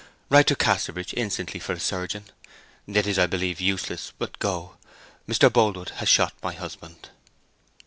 "Ride to Casterbridge instantly for a surgeon. It is, I believe, useless, but go. Mr. Boldwood has shot my husband."